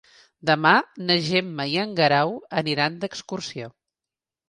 Demà na Gemma i en Guerau aniran d'excursió.